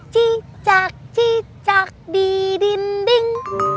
cicak cicak di dinding